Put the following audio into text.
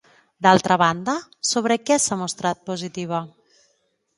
D'altra banda, sobre què s'ha mostrat positiva?